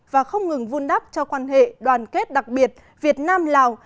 và không ngừng vun đắp cho quan hệ đoàn kết đặc biệt việt nam lào